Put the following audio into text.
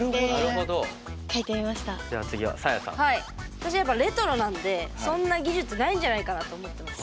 私やっぱレトロなんでそんな技術ないんじゃないかと思ってます。